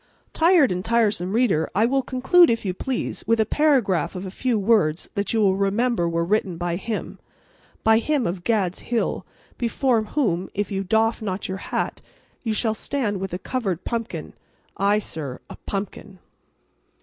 Tired and tiresome reader, I will conclude, if you please, with a paraphrase of a few words that you will remember were written by him—by him of Gad's Hill, before whom, if you doff not your hat, you shall stand with a covered pumpkin—aye, sir, a pumpkin.